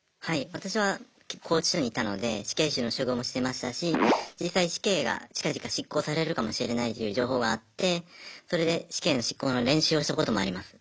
私は拘置所にいたので死刑囚の処遇もしてましたし実際死刑が近々執行されるかもしれないという情報があってそれで死刑の執行の練習をしたこともあります。